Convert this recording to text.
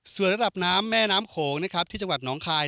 ส่วนระดับน้ำแม่น้ำโขงนะครับที่จังหวัดน้องคาย